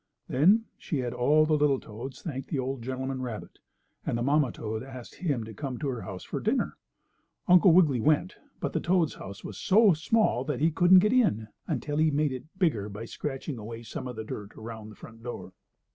Then she had all the little toads thank the old gentleman rabbit, and the mamma toad asked him to come to her house for dinner. Uncle Wiggily went, but the toad's house was so small that he couldn't get in, until he had made it bigger by scratching away some of the dirt around the front door.